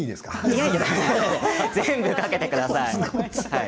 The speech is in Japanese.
全部かけてください。